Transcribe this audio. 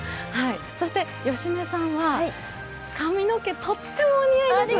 そして芳根さんは、髪の毛とってもお似合いですね。